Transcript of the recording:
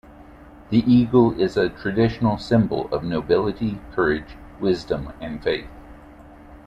The eagle is a traditional symbol of nobility, courage, wisdom, and faith.